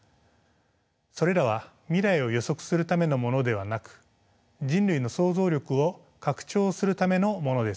それらは未来を予測するためのものではなく人類の想像力を拡張するためのものです。